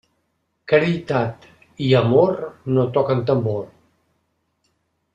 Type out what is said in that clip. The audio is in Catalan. Caritat i amor no toquen tambor.